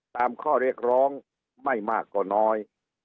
ตามข้อเรียกร้องไม่มากกว่าน้อย